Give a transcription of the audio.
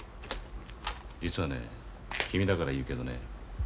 実はね君だから言うけどね